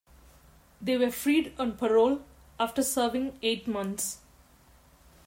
They were freed on parole after serving eight months.